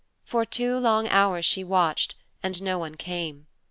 For two long hours she watched, and no one came.